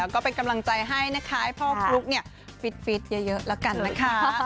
ก็เป็นกำลังใจให้นะคะให้พ่อฟลุ๊กฟิตเยอะแล้วกันนะคะ